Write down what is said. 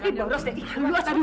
pasti boros deh